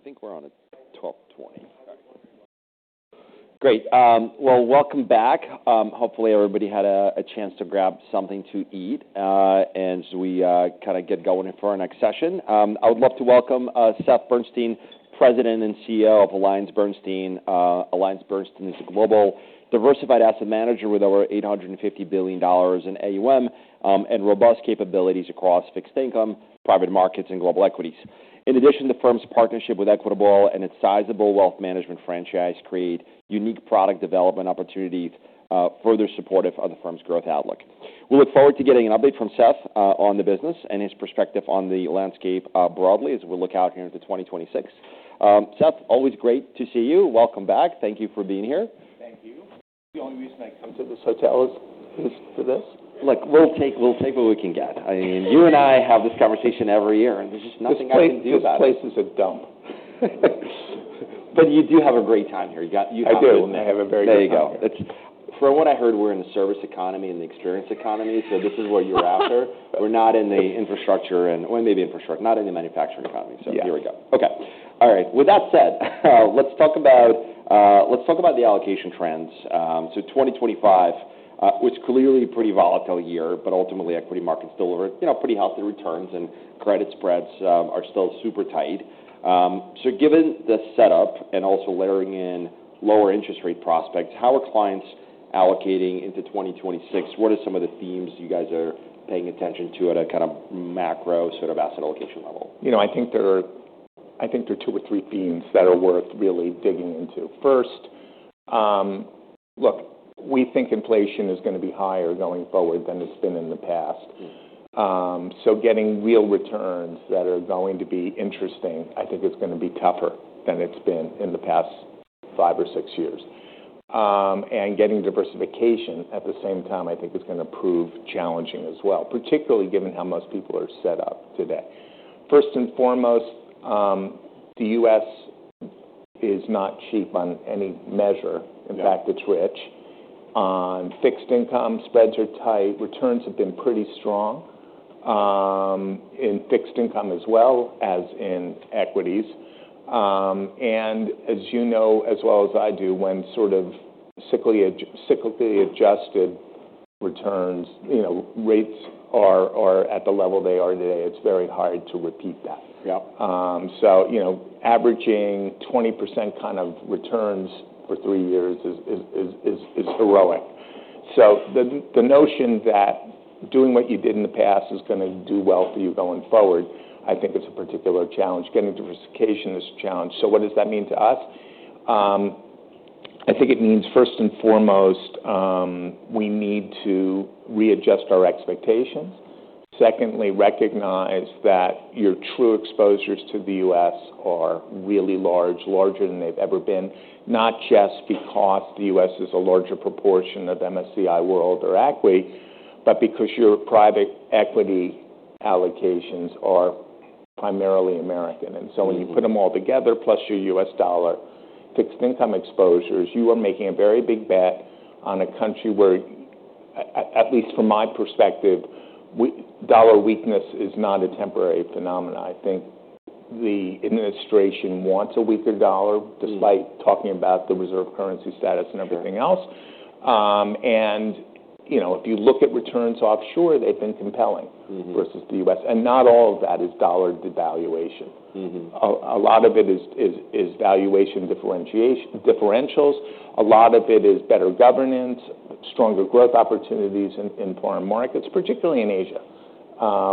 Sorry. I think we're on at 12:20 P.M. Okay. Great. Well, welcome back. Hopefully, everybody had a chance to grab something to eat as we kind of get going for our next session. I would love to welcome Seth Bernstein, President and CEO of AllianceBernstein. AllianceBernstein is a global, diversified asset manager with over $850 billion in AUM and robust capabilities across Fixed Income, Private Markets, and Global Equities. In addition, the firm's partnership with Equitable and its sizable Wealth Management franchise create unique product development opportunities further supportive of the firm's growth outlook. We look forward to getting an update from Seth on the business and his perspective on the landscape broadly as we look out here into 2026. Seth, always great to see you. Welcome back. Thank you for being here. Thank you. The only reason I come to this hotel is for this. We'll take what we can get. I mean, you and I have this conversation every year, and there's just nothing I can do about it. This place is a dump. But you do have a great time here. You got to? I do. I have a very good time. There you go. For what I heard, we're in the service economy and the experience economy. So this is what you're after. We're not in the infrastructure and well, maybe infrastructure, not in the manufacturing economy? Yeah. So here we go. Okay. All right. With that said, let's talk about the allocation trends. So 2025 was clearly a pretty volatile year, but ultimately, Equity Markets delivered pretty healthy returns, and Credit Spreads are still super tight. So given the setup and also layering in lower interest rate prospects, how are clients allocating into 2026? What are some of the themes you guys are paying attention to at a kind of macro sort of asset allocation level? I think there are two or three themes that are worth really digging into. First, look, we think inflation is going to be higher going forward than it's been in the past. So getting real returns that are going to be interesting, I think it's going to be tougher than it's been in the past five or six years. And getting diversification at the same time, I think, is going to prove challenging as well, particularly given how most people are set up today. First and foremost, the U.S. is not cheap on any measure. In fact, it's rich. On fixed income, spreads are tight. Returns have been pretty strong in fixed income as well as in equities. And as you know, as well as I do, when sort of cyclically adjusted returns, rates are at the level they are today, it's very hard to repeat that. So averaging 20% kind of returns for three years is heroic. So the notion that doing what you did in the past is going to do well for you going forward, I think it's a particular challenge. Getting diversification is a challenge. So what does that mean to us? I think it means, first and foremost, we need to readjust our expectations. Secondly, recognize that your true exposures to the U.S. are really large, larger than they've ever been, not just because the U.S. is a larger proportion of MSCI World or ACWI, but because your private equity allocations are primarily American. And so when you put them all together, plus your U.S. dollar fixed income exposures, you are making a very big bet on a country where, at least from my perspective, dollar weakness is not a temporary phenomenon. I think the administration wants a weaker dollar despite talking about the reserve currency status and everything else. And if you look at returns offshore, they've been compelling versus the U.S. And not all of that is dollar devaluation. A lot of it is valuation differentials. A lot of it is better governance, stronger growth opportunities in foreign markets, particularly in Asia,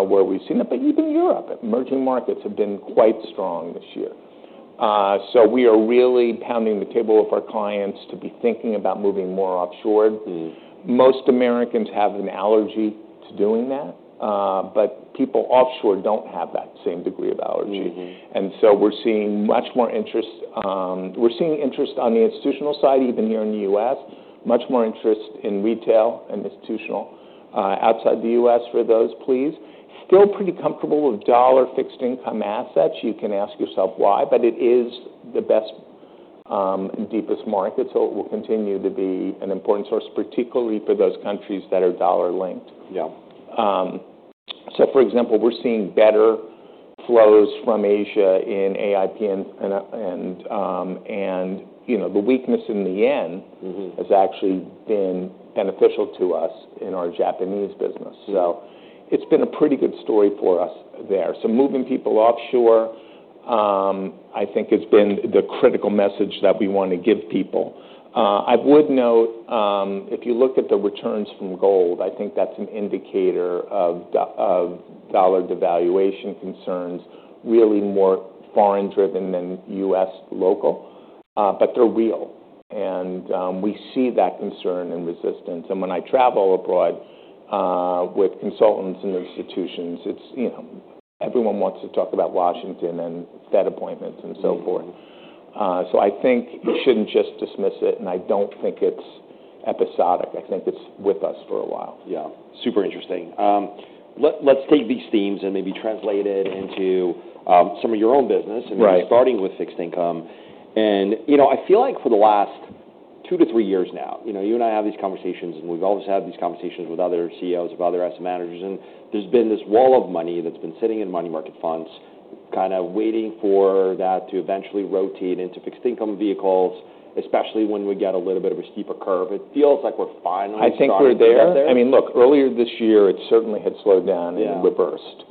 where we've seen it. But even Europe, emerging markets have been quite strong this year. So we are really pounding the table of our clients to be thinking about moving more offshore. Most Americans have an allergy to doing that, but people offshore don't have that same degree of allergy. And so we're seeing much more interest. We're seeing interest on the institutional side, even here in the U.S., much more interest in retail and institutional outside the U.S. for those, please. Still pretty comfortable with dollar fixed income assets. You can ask yourself why, but it is the best and deepest market. So it will continue to be an important source, particularly for those countries that are dollar-linked. So, for example, we're seeing better flows from Asia in AIPN and the weakness in the Yen has actually been beneficial to us in our Japanese business. So it's been a pretty good story for us there. So moving people offshore, I think, has been the critical message that we want to give people. I would note, if you look at the returns from gold, I think that's an indicator of dollar devaluation concerns, really more foreign-driven than U.S. local. But they're real and we see that concern and resistance and when I travel abroad with consultants and institutions, everyone wants to talk about Washington and Fed appointments and so forth. So I think you shouldn't just dismiss it. And I don't think it's episodic. I think it's with us for a while. Yeah. Super interesting. Let's take these themes and maybe translate it into some of your own business. And we're starting with fixed income. And I feel like for the last two to three years now, you and I have these conversations, and we've always had these conversations with other CEOs and other asset managers. And there's been this wall of money that's been sitting in money market funds, kind of waiting for that to eventually rotate into Fixed Income Vehicles, especially when we get a little bit of a steeper curve. It feels like we're finally starting to get there. I think we're there. I mean, look, earlier this year, it certainly had slowed down and reversed.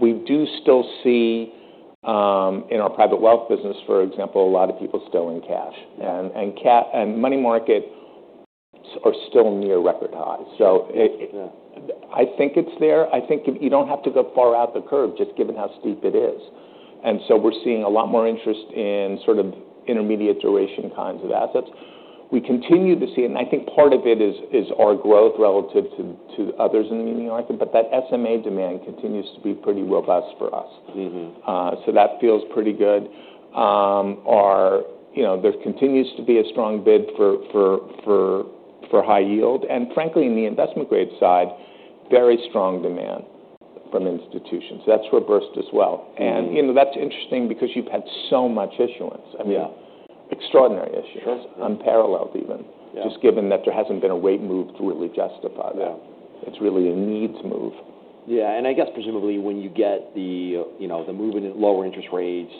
We do still see in our private wealth business, for example, a lot of people still in cash. And money markets are still near record highs. So I think it's there. I think you don't have to go far out the curve just given how steep it is. And so we're seeing a lot more interest in sort of intermediate duration kinds of assets. We continue to see it. And I think part of it is our growth relative to others in the money market, but that SMA demand continues to be pretty robust for us. So that feels pretty good. There continues to be a strong bid for high yield. And frankly, in the investment-grade side, very strong demand from institutions. That's reversed as well. That's interesting because you've had so much issuance. I mean, extraordinary issuance, unparalleled even, just given that there hasn't been a rate move to really justify that. It's really a needs move. Yeah, and I guess presumably when you get the movement in lower interest rates,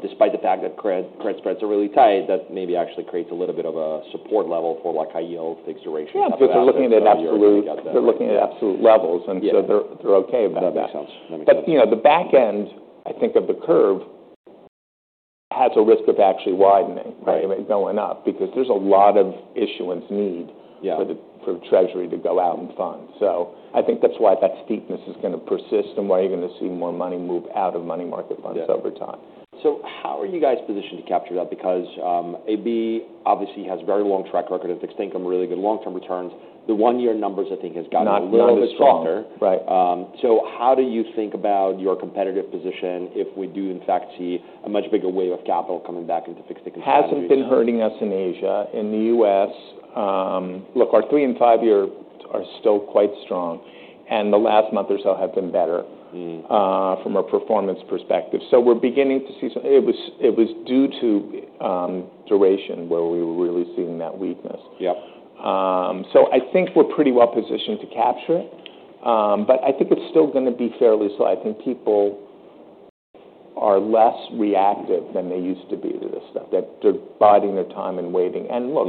despite the fact that credit spreads are really tight, that maybe actually creates a little bit of a support level for high yield, fixed duration. Yeah, but they're looking at absolute levels, and so they're okay with that. That makes sense. That makes sense. But the back end, I think, of the curve has a risk of actually widening going up because there's a lot of issuance need for Treasury to go out and fund. So I think that's why that steepness is going to persist and why you're going to see more money move out of money market funds over time. So how are you guys positioned to capture that? Because AB obviously has a very long track record of fixed income, really good long-term returns. The one-year numbers, I think, has gotten. A little bit softer. So how do you think about your competitive position if we do, in fact, see a much bigger wave of capital coming back into fixed income funds? It hasn't been hurting us in Asia. In the U.S., look, our three and five-year are still quite strong. And the last month or so have been better from a performance perspective. So we're beginning to see it was due to duration where we were really seeing that weakness. So I think we're pretty well positioned to capture it. But I think it's still going to be fairly slow. I think people are less reactive than they used to be to this stuff. They're biding their time and waiting. And look,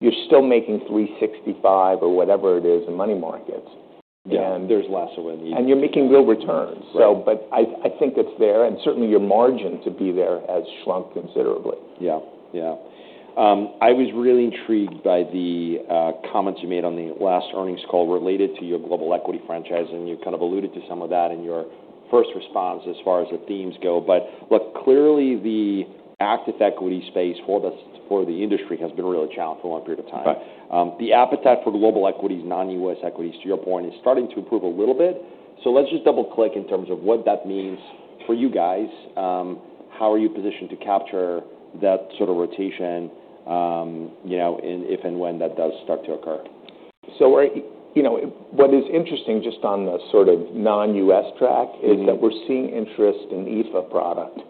you're still making 365 or whatever it is in money markets. Yeah. There's less of it. And you're making real returns. But I think it's there and certainly, your margin to be there has shrunk considerably. Yeah. Yeah. I was really intrigued by the comments you made on the last earnings call related to your global equity franchise. And you kind of alluded to some of that in your first response as far as the themes go. But look, clearly, the active equity space for the industry has been really challenged for a long period of time. The appetite for global equities, non-U.S. equities, to your point, is starting to improve a little bit. So let's just double-click in terms of what that means for you guys. How are you positioned to capture that sort of rotation if and when that does start to occur? So what is interesting just on the sort of non-U.S. track is that we're seeing interest in EFA product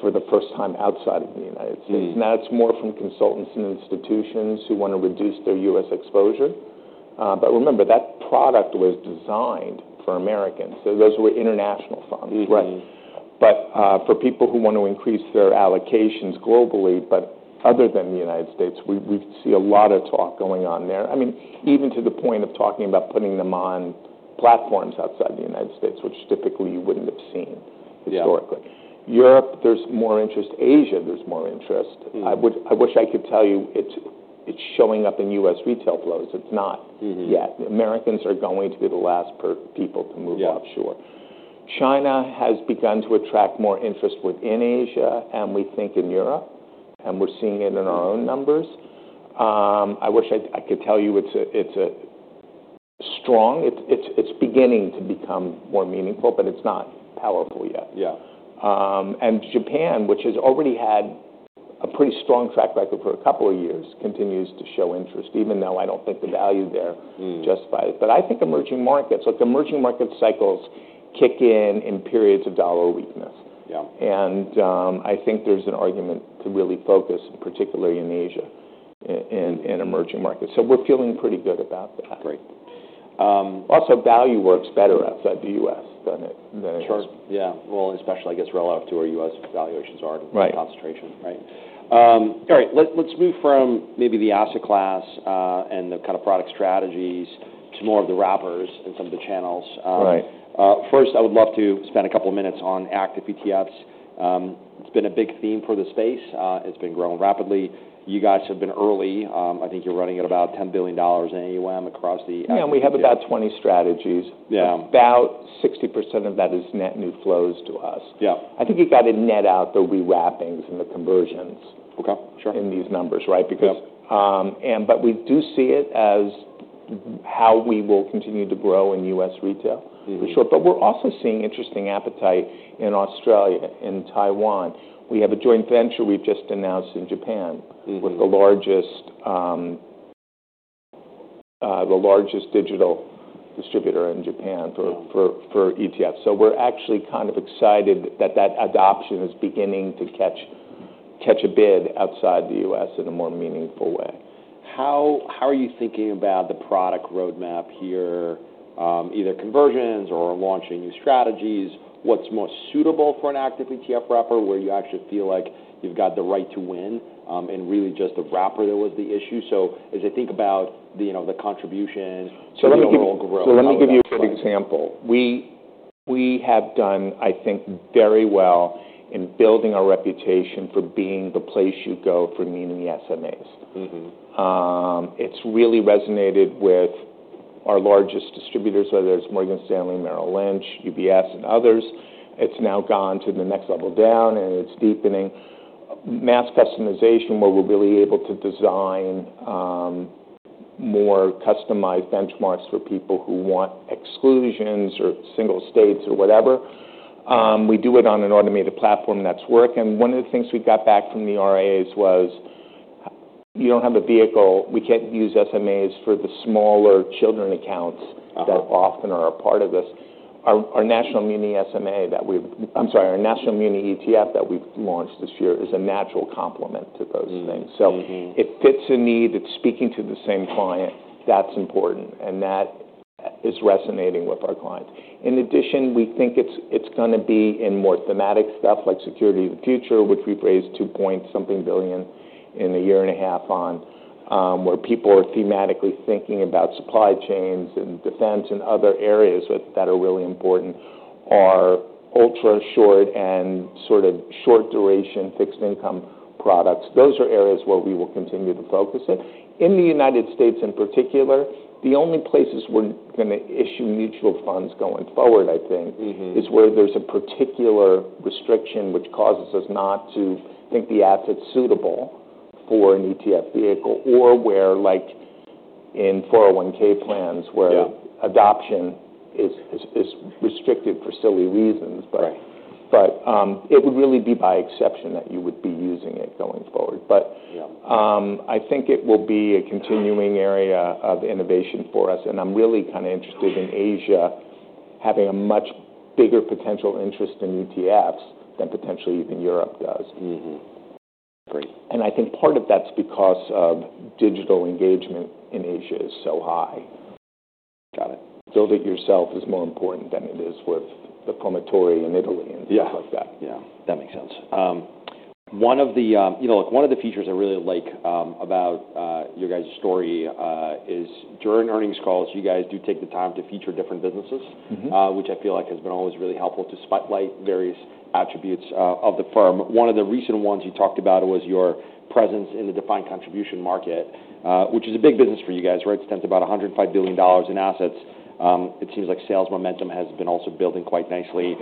for the first time outside of the United States. And that's more from consultants and institutions who want to reduce their U.S. exposure. But remember, that product was designed for Americans. So those were international funds. But for people who want to increase their allocations globally, but other than the United States, we see a lot of talk going on there. I mean, even to the point of talking about putting them on platforms outside the United States, which typically you wouldn't have seen historically. Europe, there's more interest. Asia, there's more interest. I wish I could tell you it's showing up in U.S. retail flows. It's not yet. Americans are going to be the last people to move offshore. China has begun to attract more interest within Asia, and we think in Europe. And we're seeing it in our own numbers. I wish I could tell you it's beginning to become more meaningful, but it's not powerful yet. And Japan, which has already had a pretty strong track record for a couple of years, continues to show interest, even though I don't think the value there justifies it. But I think emerging markets look, emerging market cycles kick in in periods of dollar weakness. And I think there's an argument to really focus, particularly in Asia, in emerging markets. So we're feeling pretty good about that. Great. Also, value works better outside the U.S. than it does. Sure. Yeah. Well, especially, I guess, relative to where U.S. valuations are and concentration, right? Right. Let's move from maybe the asset class and the kind of product strategies to more of the wrappers and some of the channels. First, I would love to spend a couple of minutes on active ETFs. It's been a big theme for the space. It's been growing rapidly. You guys have been early. I think you're running at about $10 billion in AUM across the. Yeah. And we have about 20 strategies. About 60% of that is net new flows to us. I think you got to net out the rewrappings and the conversions in these numbers, right? But we do see it as how we will continue to grow in U.S. retail for sure. But we're also seeing interesting appetite in Australia and Taiwan. We have a joint venture we've just announced in Japan with the largest digital distributor in Japan for ETFs. So we're actually kind of excited that that adoption is beginning to catch a bid outside the U.S. in a more meaningful way. How are you thinking about the product roadmap here, either conversions or launching new strategies? What's most suitable for an active ETF wrapper where you actually feel like you've got the right to win and really just the wrapper that was the issue? So as I think about the contribution to the overall growth? So let me give you a good example. We have done, I think, very well in building our reputation for being the place you go for meeting the SMAs. It's really resonated with our largest distributors, whether it's Morgan Stanley, Merrill Lynch, UBS, and others. It's now gone to the next level down, and it's deepening. Mass customization where we're really able to design more customized benchmarks for people who want exclusions or single states or whatever. We do it on an automated platform that's working. One of the things we got back from the RAs was you don't have a vehicle. We can't use SMAs for the smaller children accounts that often are a part of this. Our national muni SMA that we've, I'm sorry, our national muni ETF that we've launched this year is a natural complement to those things. So it fits a need. It's speaking to the same client. That's important, and that is resonating with our clients. In addition, we think it's going to be in more thematic stuff like Security of the Future, which we've raised $2-point-something billion in a 1.5 year on, where people are thematically thinking about supply chains and defense and other areas that are really important, are ultra-short and sort of Short-Duration Fixed Income products. Those are areas where we will continue to focus it. In the United States, in particular, the only places we're going to issue Mutual Funds going forward, I think, is where there's a particular restriction which causes us not to think the asset's suitable for an ETF vehicle or where in 401(k) plans where adoption is restricted for silly reasons, but it would really be by exception that you would be using it going forward. But I think it will be a continuing area of innovation for us. And I'm really kind of interested in Asia having a much bigger potential interest in ETFs than potentially even Europe does. And I think part of that's because of digital engagement in Asia is so high. Build it yourself is more important than it is with the Promotori in Italy and stuff like that. Yeah. That makes sense. One of the, look, one of the features I really like about your guys' story is during earnings calls, you guys do take the time to feature different businesses, which I feel like has been always really helpful to spotlight various attributes of the firm. One of the recent ones you talked about was your presence in the defined contribution market, which is a big business for you guys, right? It stands about $105 billion in assets. It seems like sales momentum has been also building quite nicely.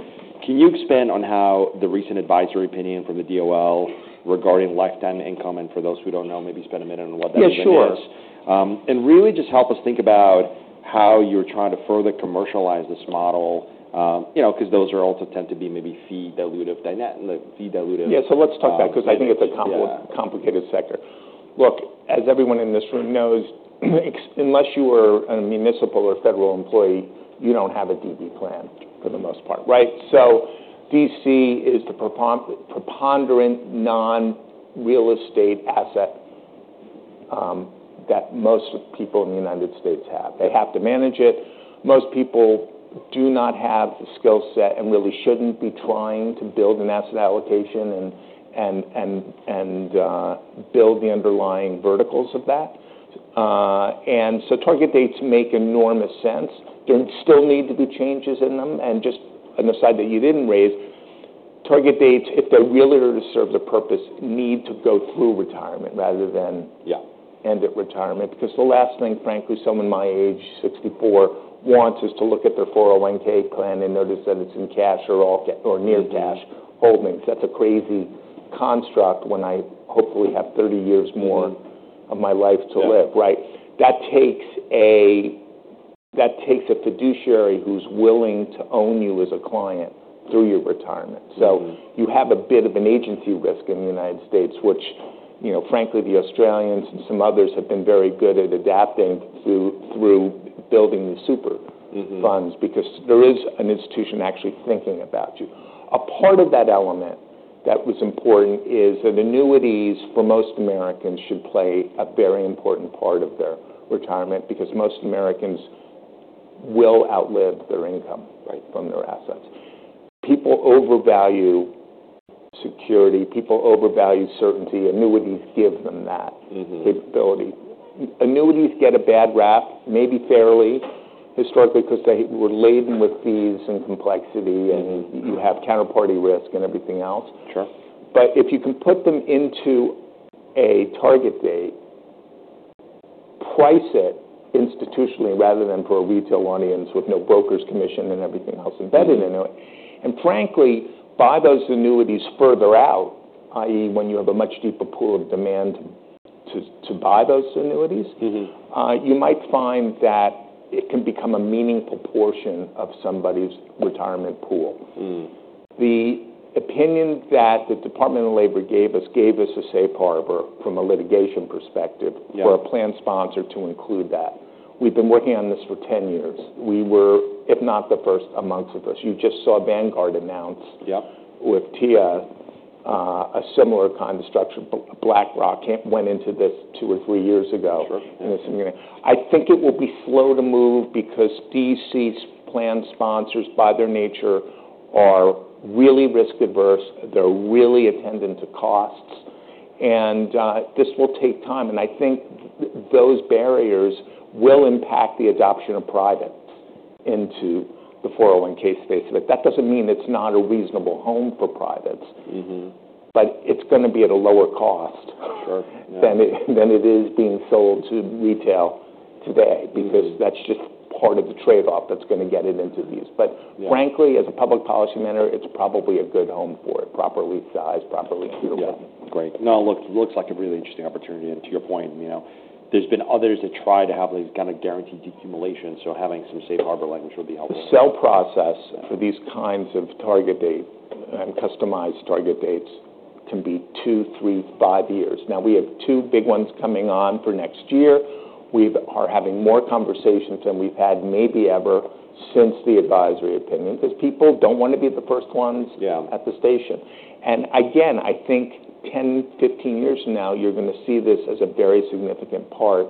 Can you expand on how the recent advisory opinion from the DOL regarding lifetime income, and for those who don't know, maybe spend a minute on what that really is. Yes, sure. And really just help us think about how you're trying to further commercialize this model because those are also tend to be maybe fee dilutive? Yeah. So let's talk about it because I think it's a complicated sector. Look, as everyone in this room knows, unless you are a municipal or federal employee, you don't have a DB plan for the most part, right? So DC is the preponderant non-real estate asset that most people in the United States have. They have to manage it. Most people do not have the skill set and really shouldn't be trying to build an asset allocation and build the underlying verticals of that. And so target dates make enormous sense. There still need to be changes in them. And just an aside that you didn't raise, target dates, if they're really to serve the purpose, need to go through retirement rather than end at retirement. Because the last thing, frankly, someone my age, 64, wants is to look at their 401(k) plan and notice that it's in cash or near cash holdings. That's a crazy construct when I hopefully have 30 years more of my life to live, right? That takes a fiduciary who's willing to own you as a client through your retirement. So you have a bit of an agency risk in the United States, which, frankly, the Australians and some others have been very good at adapting through building the super funds because there is an institution actually thinking about you. A part of that element that was important is that annuities for most Americans should play a very important part of their retirement because most Americans will outlive their income from their assets. People overvalue security. People overvalue certainty. Annuities give them that capability. Annuities get a bad rap, maybe fairly, historically, because they were laden with fees and complexity and you have counterparty risk and everything else, but if you can put them into a target date, price it institutionally rather than for a retail audience with no broker's commission and everything else embedded in it, and frankly, buy those annuities further out, i.e., when you have a much deeper pool of demand to buy those annuities, you might find that it can become a meaningful portion of somebody's retirement pool. The opinion that the Department of Labor gave us gave us a safe harbor from a litigation perspective for a plan sponsor to include that. We've been working on this for 10 years. We were, if not the first, amongst the first. You just saw Vanguard announce with TIA a similar kind of structure. BlackRock went into this two or three years ago in this opinion. I think it will be slow to move because DC's plan sponsors, by their nature, are really risk-averse. They're really attuned to costs, and this will take time. I think those barriers will impact the adoption of private into the 401(k) space, but that doesn't mean it's not a reasonable home for privates. It's going to be at a lower cost than it is being sold to retail today because that's just part of the trade-off that's going to get it into these, but frankly, as a public policy matter, it's probably a good home for it, properly sized, properly accumulated. Yeah. Great. No, look, it looks like a really interesting opportunity. And to your point, there's been others that try to have these kind of guaranteed accumulation. So having some safe harbor language would be helpful. The sale process for these kinds of target date and customized target dates can be two, three, five years. Now, we have two big ones coming on for next year. We are having more conversations than we've had maybe ever since the advisory opinion because people don't want to be the first ones at the station. And again, I think 10 years-15 years from now, you're going to see this as a very significant part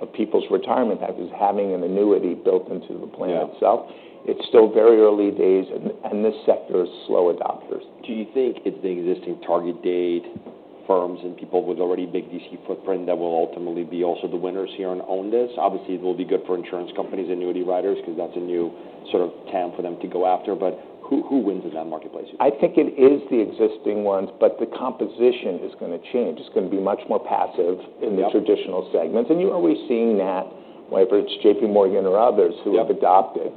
of people's retirement that is having an annuity built into the plan itself. It's still very early days, and this sector is slow adopters. Do you think it's the existing target date firms and people with already big DC footprint that will ultimately be also the winners here and own this? Obviously, it will be good for insurance companies, annuity riders, because that's a new sort of TAM for them to go after. But who wins in that marketplace? I think it is the existing ones, but the composition is going to change. It's going to be much more passive in the traditional segments. And you're already seeing that, whether it's JPMorgan or others who have adopted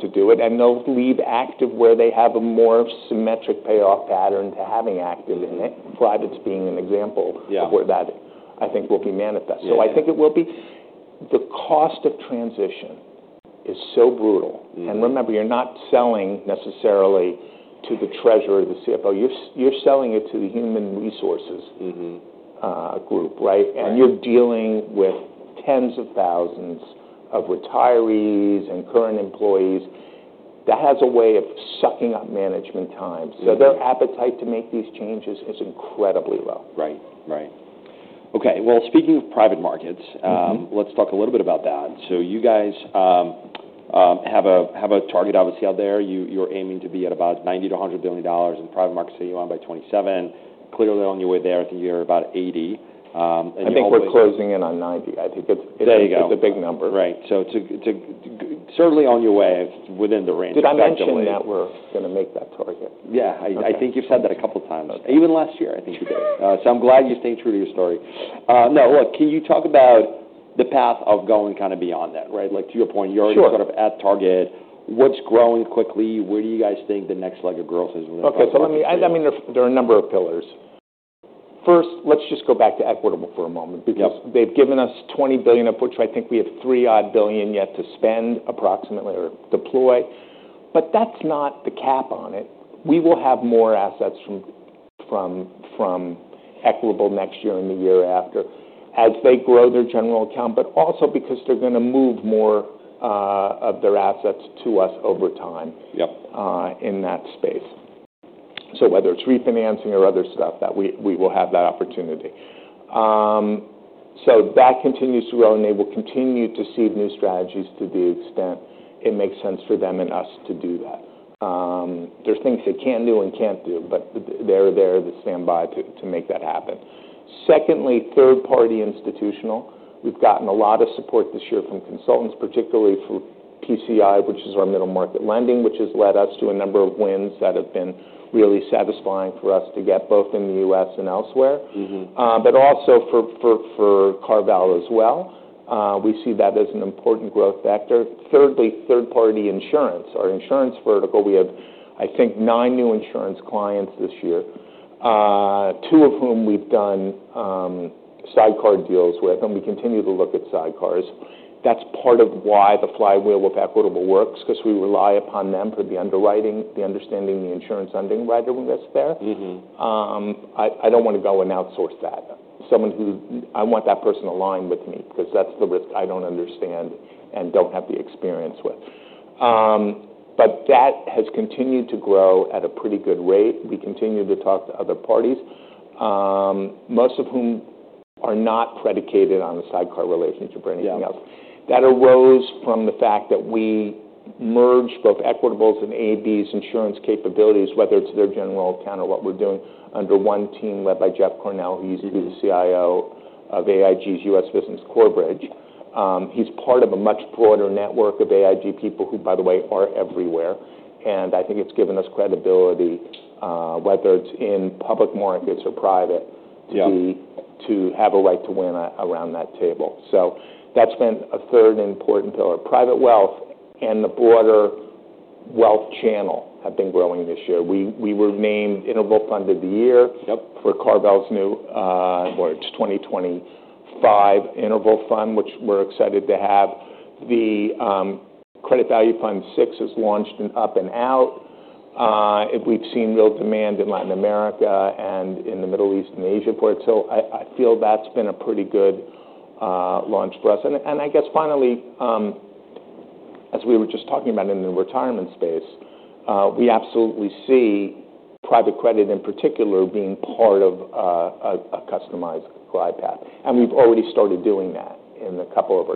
to do it. And they'll leave active where they have a more symmetric payoff pattern to having active in it, privates being an example of where that I think will be manifest. So I think it will be the cost of transition is so brutal. And remember, you're not selling necessarily to the treasurer, the CFO. You're selling it to the human resources group, right? And you're dealing with tens of thousands of retirees and current employees. That has a way of sucking up management time. So their appetite to make these changes is incredibly low. Right. Right. Okay. Well, speaking of private markets, let's talk a little bit about that. So you guys have a target obviously out there. You're aiming to be at about $90 billion-$100 billion in private markets that you want by 2027. Clearly on your way there, I think you're about $80 billion? I think we're closing in on $90 billion. I think it's a big number. There you go. Right. So certainly on your way within the range. Did I mention that we're going to make that target? Yeah. I think you've said that a couple of times. Even last year, I think you did. So I'm glad you stayed true to your story. Now, look, can you talk about the path of going kind of beyond that, right? To your point, you're already sort of at target. What's growing quickly? Where do you guys think the next leg of growth is within five years? Okay. So I mean, there are a number of pillars. First, let's just go back to Equitable for a moment because they've given us $20 billion, of which I think we have $3 billion yet to spend approximately or deploy. But that's not the cap on it. We will have more assets from Equitable next year and the year after as they grow their general account, but also because they're going to move more of their assets to us over time in that space. So whether it's refinancing or other stuff, we will have that opportunity. So that continues to grow, and they will continue to seed new strategies to the extent it makes sense for them and us to do that. There's things they can do and can't do, but they're there to stand by to make that happen. Secondly, third-party institutional. We've gotten a lot of support this year from consultants, particularly for PCI, which is our middle market lending, which has led us to a number of wins that have been really satisfying for us to get both in the U.S. and elsewhere, but also for CarVal as well. We see that as an important growth vector. Thirdly, third-party insurance. Our insurance vertical, we have, I think, nine new insurance clients this year, two of whom we've done sidecar deals with, and we continue to look at sidecars. That's part of why the flywheel with Equitable works because we rely upon them for the underwriting, the understanding, the insurance lending underwriter who is there. I don't want to go and outsource that. I want that person aligned with me because that's the risk I don't understand and don't have the experience with. But that has continued to grow at a pretty good rate. We continue to talk to other parties, most of whom are not predicated on a sidecar relationship or anything else. That arose from the fact that we merged both Equitable's and AB's insurance capabilities, whether it's their general account or what we're doing, under one team led by Jeff Cornell, who used to be the CIO of AIG's U.S. Business Corebridge. He's part of a much broader network of AIG people who, by the way, are everywhere. And I think it's given us credibility, whether it's in public markets or private, to have a right to win around that table. So that's been a third important pillar. Private wealth and the broader wealth channel have been growing this year. We were named Interval Fund of the Year for CarVal's new, well, it's 2025 Interval Fund, which we're excited to have. The Credit Value Fund VI has launched an up and out. We've seen real demand in Latin America and in the Middle East and Asia for it. So I feel that's been a pretty good launch for us. And I guess finally, as we were just talking about in the retirement space, we absolutely see private credit in particular being part of a customized glide path. And we've already started doing that in a couple of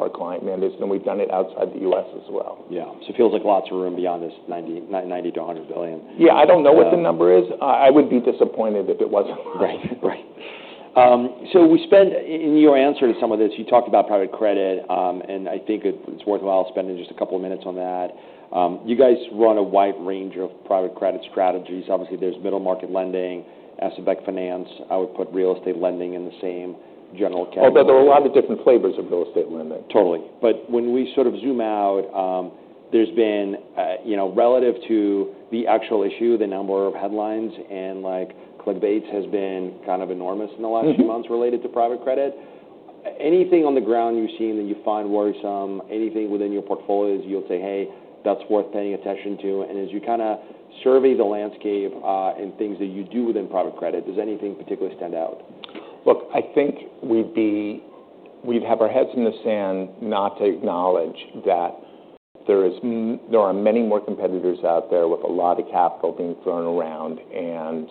our client mandates, and we've done it outside the U.S. as well. Yeah. So it feels like lots of room beyond this $90 billion-$100 billion. Yeah. I don't know what the number is. I would be disappointed if it wasn't. Right. Right. So in your answer to some of this, you talked about private credit, and I think it's worthwhile spending just a couple of minutes on that. You guys run a wide range of private credit strategies. Obviously, there's middle market lending, asset-based finance. I would put real estate lending in the same general category. Although there are a lot of different flavors of real estate lending. Totally. But when we sort of zoom out, there's been relative to the actual issue, the number of headlines and clickbaits has been kind of enormous in the last few months related to private credit. Anything on the ground you've seen that you find worrisome, anything within your portfolios you'll say, "Hey, that's worth paying attention to." And as you kind of survey the landscape and things that you do within private credit, does anything particularly stand out? Look, I think we'd have our heads in the sand not to acknowledge that there are many more competitors out there with a lot of capital being thrown around, and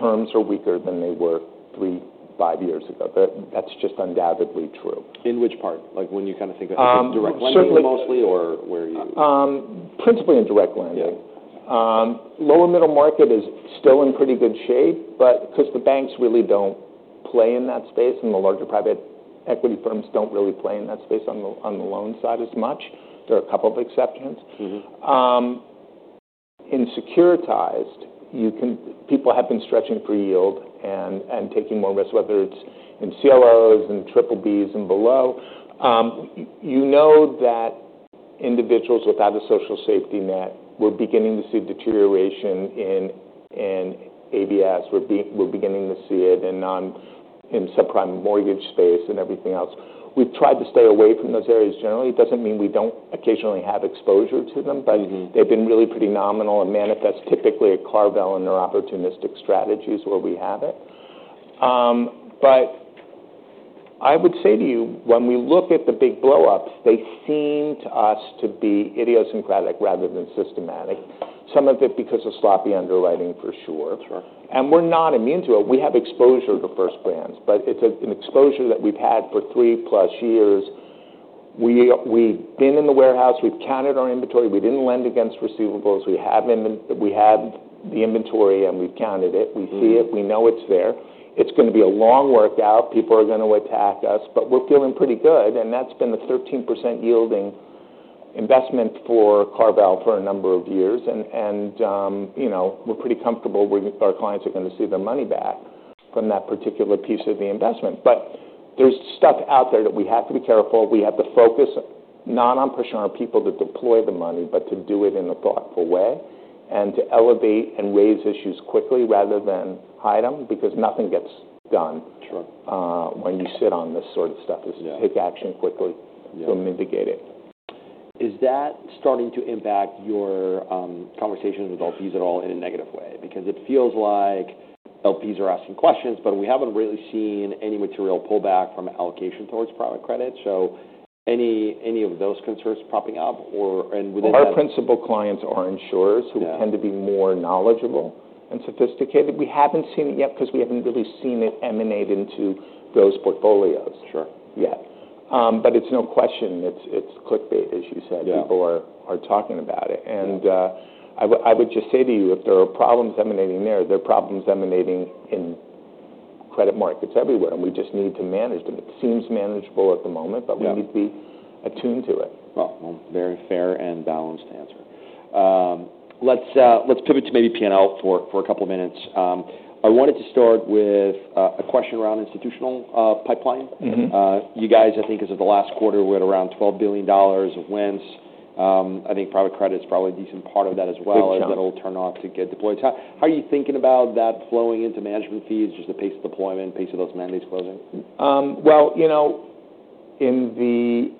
terms are weaker than they were three, five years ago. That's just undoubtedly true. In which part? When you kind of think of direct lending mostly or where you? Principally in direct lending. Lower middle market is still in pretty good shape because the banks really don't play in that space, and the larger private equity firms don't really play in that space on the loan side as much. There are a couple of exceptions. In securitized, people have been stretching for yield and taking more risk, whether it's in CLOs and BBBs and below. You know that individuals without a social safety net were beginning to see deterioration in ABS. We're beginning to see it in subprime mortgage space and everything else. We've tried to stay away from those areas generally. It doesn't mean we don't occasionally have exposure to them, but they've been really pretty nominal and manifest typically at CarVal and their opportunistic strategies where we have it. But I would say to you, when we look at the big blow-ups, they seem to us to be idiosyncratic rather than systematic. Some of it because of sloppy underwriting for sure. And we're not immune to it. We have exposure to First Brands but it's an exposure that we've had for 3+ years. We've been in the warehouse. We've counted our inventory. We didn't lend against receivables. We have the inventory, and we've counted it. We see it. We know it's there. It's going to be a long workout. People are going to attack us, but we're feeling pretty good. And that's been the 13% yielding investment for CarVal for a number of years. And we're pretty comfortable. Our clients are going to see their money back from that particular piece of the investment. But there's stuff out there that we have to be careful. We have to focus not on pushing our people to deploy the money, but to do it in a thoughtful way and to elevate and raise issues quickly rather than hide them because nothing gets done when you sit on this sort of stuff. It's take action quickly to mitigate it. Is that starting to impact your conversations with LPs at all in a negative way? Because it feels like LPs are asking questions, but we haven't really seen any material pullback from allocation towards private credit. So any of those concerns popping up? Well, our principal clients are insurers who tend to be more knowledgeable and sophisticated. We haven't seen it yet because we haven't really seen it emanate into those portfolios yet. But it's no question. It's clickbait, as you said. People are talking about it. And I would just say to you, if there are problems emanating there, there are problems emanating in credit markets everywhere, and we just need to manage them. It seems manageable at the moment, but we need to be attuned to it. Very fair and balanced answer. Let's pivot to maybe P&L for a couple of minutes. I wanted to start with a question around institutional pipeline. You guys, I think as of the last quarter, were at around $12 billion of wins. I think private credit is probably a decent part of that as well. It sure is. That'll turn out to get deployed. How are you thinking about that flowing into management fees, just the pace of deployment, pace of those mandates closing? In the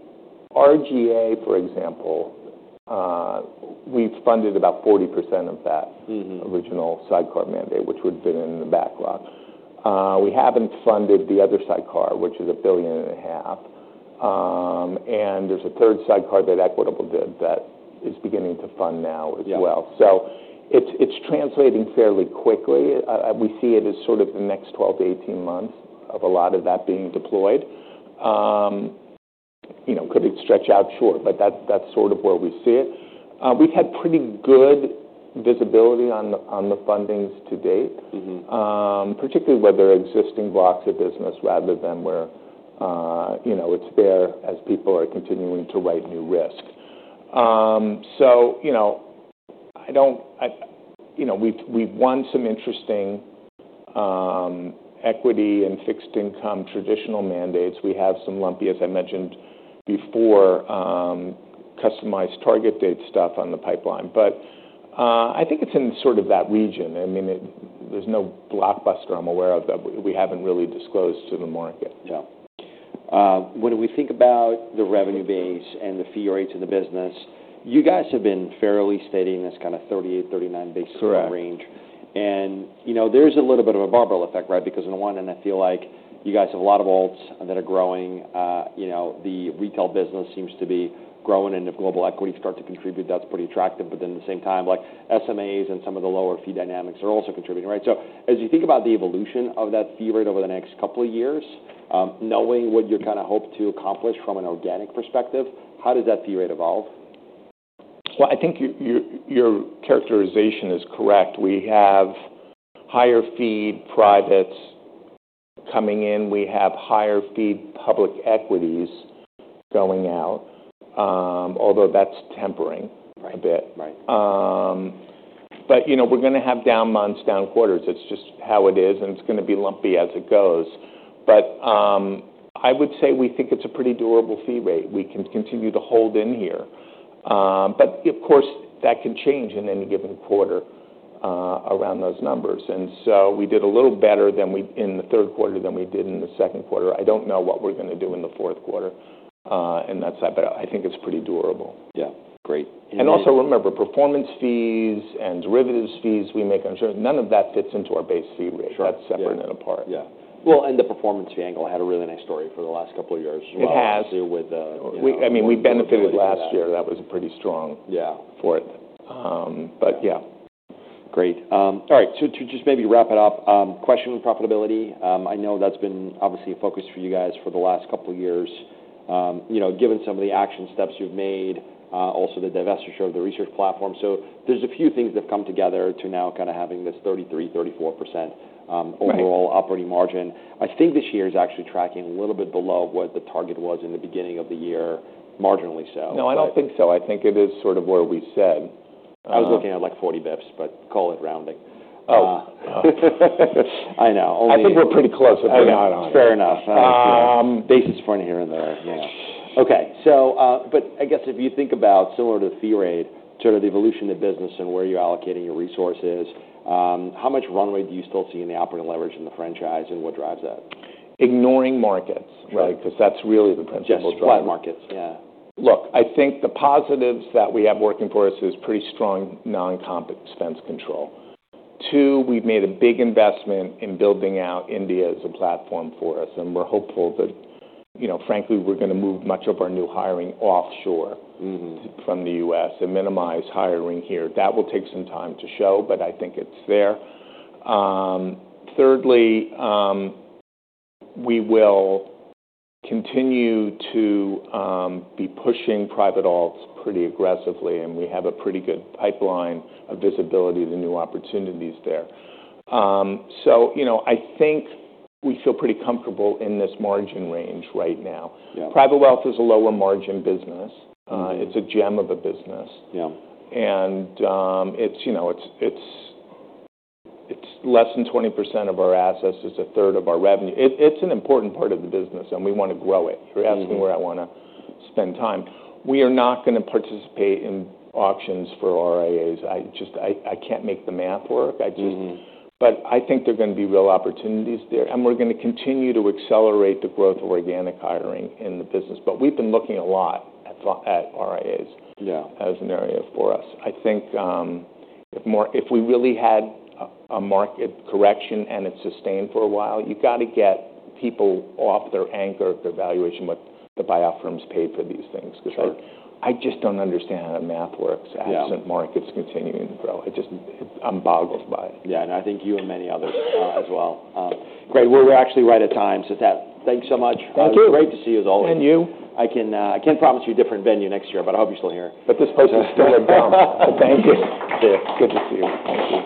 RGA, for example, we've funded about 40% of that original sidecar mandate, which would have been in the backlog. We haven't funded the other sidecar, which is $1.5 billion. There's a third sidecar that Equitable did that is beginning to fund now as well. It's translating fairly quickly. We see it as sort of the next 12 months-18 months of a lot of that being deployed. Could it stretch out? Sure. That's sort of where we see it. We've had pretty good visibility on the fundings to date, particularly where there are existing blocks of business rather than where it's there as people are continuing to write new risk. We've won some interesting Equity and Fixed Income traditional mandates. We have some lumpy, as I mentioned before, customized target date stuff on the pipeline. But I think it's in sort of that region. I mean, there's no blockbuster I'm aware of that we haven't really disclosed to the market. Yeah. When we think about the revenue base and the fee rates in the business, you guys have been fairly steady in this kind of 38-39 basis points range, and there's a little bit of a barbell effect, right? Because on the one hand, I feel like you guys have a lot of Alts that are growing. The Retail business seems to be growing, and if Global Equity starts to contribute, that's pretty attractive, but then at the same time, SMAs and some of the lower fee dynamics are also contributing, right, so as you think about the evolution of that fee rate over the next couple of years, knowing what you're kind of hoping to accomplish from an organic perspective, how does that fee rate evolve? I think your characterization is correct. We have higher fee Privates coming in. We have higher fee Public Equities going out, although that's tempering a bit. We're going to have down months, down quarters. It's just how it is, and it's going to be lumpy as it goes. I would say we think it's a pretty durable fee rate. We can continue to hold in here. Of course, that can change in any given quarter around those numbers. We did a little better in the third quarter than we did in the second quarter. I don't know what we're going to do in the fourth quarter, and that's that. I think it's pretty durable. Yeah. Great. Also remember, performance fees and derivatives fees we make on shares. None of that fits into our base fee rate. That's separate and apart. Yeah, well, and the performance fee angle had a really nice story for the last couple of years as well. It has. I mean, we benefited. Last year. That was pretty strong for it. But yeah. Great. All right. So to just maybe wrap it up, question on profitability. I know that's been obviously a focus for you guys for the last couple of years, given some of the action steps you've made, also the divestiture of the research platform. So there's a few things that have come together to now kind of having this 33%-34% overall operating margin. I think this year is actually tracking a little bit below what the target was in the beginning of the year, marginally so. No, I don't think so. I think it is sort of where we said. I was looking at like 40 basis points, but call it rounding. I know. I think we're pretty close, but we're not on it. Fair enough. Basis point here and there. Yeah. Okay. But I guess if you think about similar to the fee rate, sort of the evolution of business and where you're allocating your resources, how much runway do you still see in the operating leverage in the franchise and what drives that? Ignoring markets. Right? Because that's really the principal driver? Yes. Flat markets. Yeah. Look, I think the positives that we have working for us is pretty strong non-comp expense control. Two, we've made a big investment in building out India as a platform for us, and we're hopeful that, frankly, we're going to move much of our new hiring offshore from the U.S. and minimize hiring here. That will take some time to show, but I think it's there. Thirdly, we will continue to be pushing Private Alts pretty aggressively, and we have a pretty good pipeline of visibility to new opportunities there. So I think we feel pretty comfortable in this margin range right now. Private Wealth is a lower margin business. It's a gem of a business, and it's less than 20% of our assets. It's a third of our revenue. It's an important part of the business, and we want to grow it. You're asking where I want to spend time. We are not going to participate in auctions for RAs. I can't make the math work. But I think there are going to be real opportunities there. And we're going to continue to accelerate the growth of organic hiring in the business. But we've been looking a lot at RAs as an area for us. I think if we really had a market correction and it sustained for a while, you've got to get people off their anchor, their valuation, what the buyout firms paid for these things. Because I just don't understand how the math works, absent markets continuing to grow. I'm boggled by it. Yeah, and I think you and many others as well. Great. We're actually right at time, so thanks so much. Thank you. Great to see you as always. And you. I can't promise you a different venue next year, but I will still be here. But this place is still in town. Thank you. Good to see you.